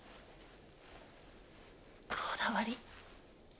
こだわり。